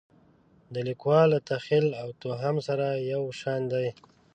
د لیکوال له تخیل او توهم سره یو شان دي.